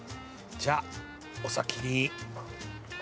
「じゃあお先に」